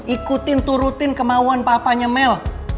ikutin turutin kemauan papanya mel